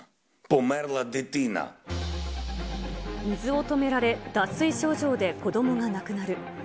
水を止められ、脱水症状で子どもが亡くなる。